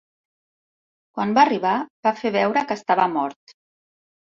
Quan va arribar, va fer veure que estava mort.